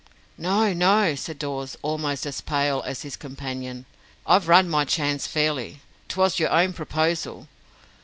"No, no," said Dawes, almost as pale as his companion. "I've run my chance fairly. 'Twas your own proposal."